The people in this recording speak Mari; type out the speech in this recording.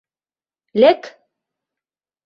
— Лек!